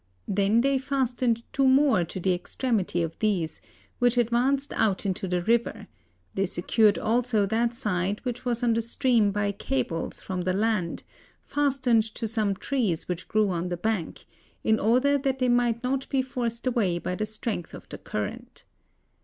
They then fastened two more to the extremity of these, which advanced out into the river; they secured also that side which was on the stream by cables from the land, fastened to some trees which grew on the bank, in order that they might not be forced away by the strength of the current.